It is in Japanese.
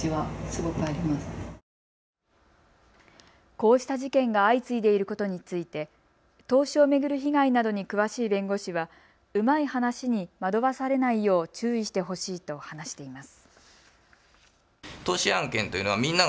こうした事件が相次いでいることについて投資を巡る被害などに詳しい弁護士はうまい話に惑わされないよう注意してほしいと話しています。